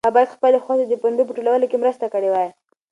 ما باید خپلې خور ته د پنبې په ټولولو کې مرسته کړې وای.